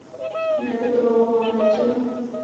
দেখে তো বাবা মনে হচ্ছে না।